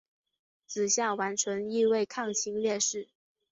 子夏完淳亦为抗清烈士。